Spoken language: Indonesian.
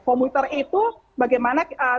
komputer itu bagaimana sebenarnya kita bisa memenuhi